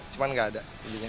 cuman enggak ada